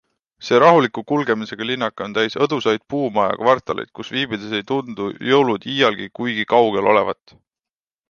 See rahuliku kulgemisega linnake on täis õdusaid puumajakvartaleid, kus viibides ei tundu jõulud iialgi kuigi kaugel olevat.